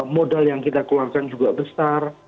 modal yang kita keluarkan juga besar